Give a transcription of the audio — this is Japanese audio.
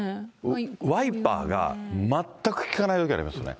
ワイパーが全くきかないときありますよね。